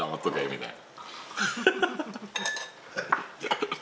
みたいな。